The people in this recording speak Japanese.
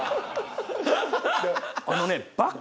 あのね。